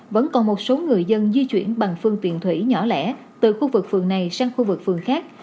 vẫn còn một số người dân di chuyển bằng phương tiện thủy nhỏ lẻ từ khu vực phường này sang khu vực phường khác